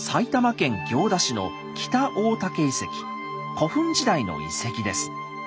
古墳時代の遺跡です。